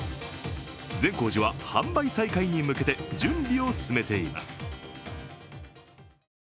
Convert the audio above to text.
善光寺は販売再開に向けて準備を進めています。